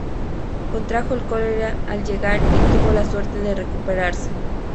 Contrajo el cólera al llegar y tuvo la suerte de recuperarse.